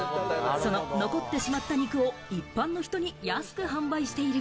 その残ってしまったお肉を一般の人に安く販売している。